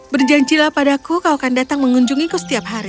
berjanjilah padaku kau akan datang mengunjungiku setiap hari